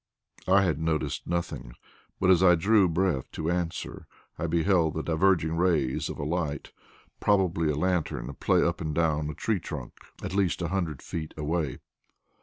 I had noticed nothing, but as I drew breath to answer, I beheld the diverging rays of a light probably a lantern play up and down a tree trunk at least a hundred feet away.